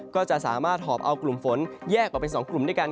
ก็จะสามารถหอบเอากลุ่มฝนแยกออกเป็น๒กลุ่มด้วยกัน